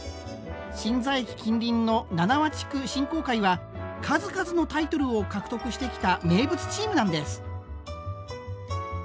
しんざ駅近隣の七和地区振興会は数々のタイトルを獲得してきた名物チームなんです。